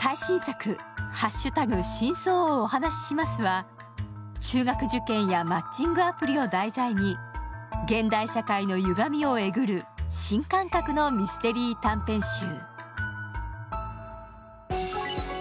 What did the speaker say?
最新作「＃真相をお話しします」は、中学受験やマッチングアプリを題材に現在社会のゆがみをえぐる新感覚のミステリー短編集。